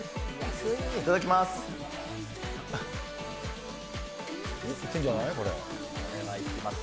いただきます。